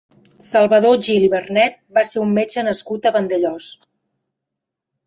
Salvador Gil i Vernet va ser un metge nascut a Vandellòs.